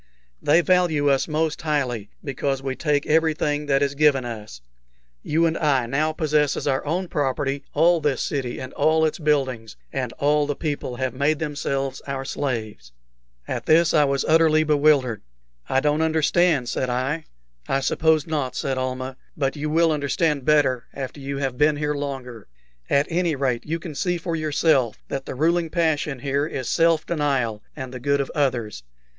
They value us most highly, because we take everything that is given us. You and I now possess as our own property all this city and all its buildings, and all the people have made themselves our slaves." At this I was utterly bewildered. "I don't understand," said I. "I suppose not," said Almah; "but you will understand better after you have been here longer. At any rate, you can see for yourself that the ruling passion here is self denial and the good of others.